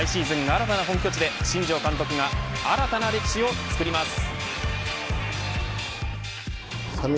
新たな本拠地で新庄監督が新たな歴史を作ります。